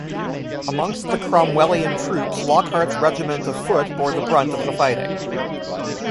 Amongst the Cromwellian troops Lockhart's regiment of foot bore the brunt of the fighting.